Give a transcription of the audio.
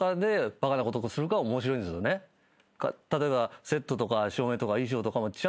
例えば。